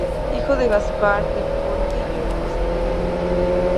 Hijo de Gaspar de Portillo y Rosa Toledo.